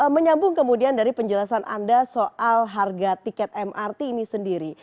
menyambung kemudian dari penjelasan anda soal harga tiket mrt ini sendiri